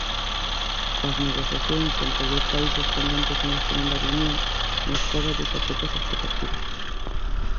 Coas negociacións entre os dous países pendentes dunha segunda reunión, Moscova deixa poucas expectativas.